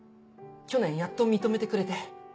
去年やっと認めてくれて。